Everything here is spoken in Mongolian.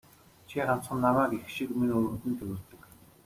Чи ганцхан намайг эх шиг минь өрөвдөн тэвэрдэг.